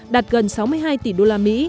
đạt gần sáu mươi hai tỷ usd